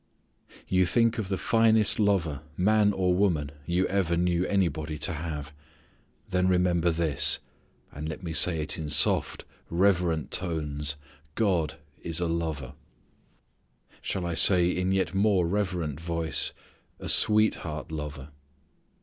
You think of the finest lover, man or woman, you ever knew anybody to have. Then remember this, and let me say it in soft, reverent tones, God is a lover shall I say in yet more reverent voice, a sweetheart lover.